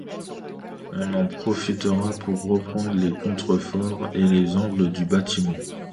On en profita pour reprendre les contreforts et les angles du bâtiment.